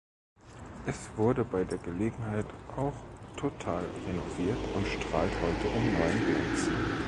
Es wurde bei der Gelegenheit auch total renoviert und strahlt heute in neuem Glanz.